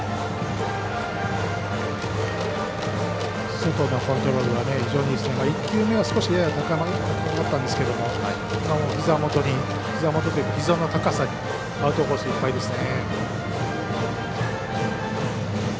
外のコントロールは非常にいいですけど１球目はやや高かったんですけど膝の高さにアウトコースいっぱいですね。